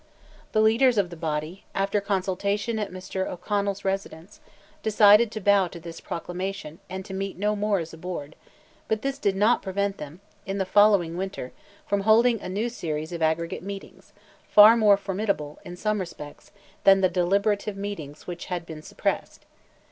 The leaders of the body, after consultation at Mr. O'Connell's residence, decided to bow to this proclamation and to meet no more as a Board; but this did not prevent them, in the following winter, from holding a new series of Aggregate meetings, far more formidable, in some respects, than the deliberative meetings which had been suppressed.